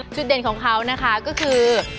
จุดเด่นของเขานะคะก็คือ